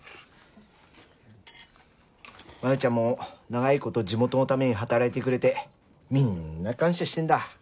真夢ちゃんも長い事地元のために働いてくれてみんな感謝してんだ。